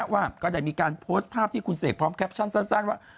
ว่าก็ได้มีการโพสต์ภาพที่คุณเสกพร้อมแคปชั่นสั้นว่า